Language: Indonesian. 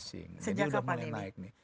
sejak kapan ini